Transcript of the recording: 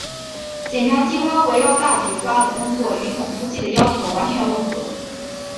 检察机关围绕大局抓的工作与总书记的要求完全吻合